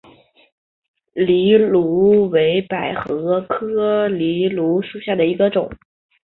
藜芦为百合科藜芦属下的一个种。